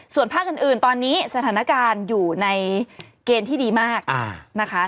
ส่วนภาคอื่นตอนนี้สถานการณ์อยู่ในเกณฑ์ที่ดีมากนะคะ